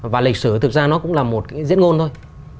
và lịch sử thực ra nó cũng là một cái diễn ngôn thôi